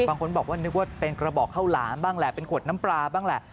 บางคนบอกว่านึกว่าเป็นกระบอกข้าวหลามบ้างแหละเป็นขวดน้ำปลาบ้างแหละ